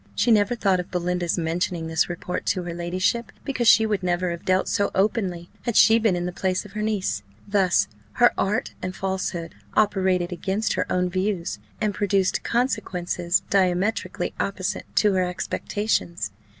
She never thought of Belinda's mentioning this report to her ladyship, because she would never have dealt so openly, had she been in the place of her niece. Thus her art and falsehood operated against her own views, and produced consequences diametrically opposite to her expectations.